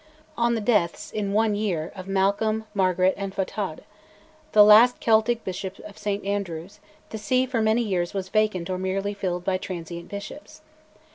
On the deaths, in one year, of Malcolm, Margaret, and Fothadh, the last Celtic bishop of St Andrews, the see for many years was vacant or merely filled by transient bishops.